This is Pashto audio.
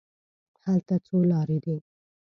هلته څو لارې دي.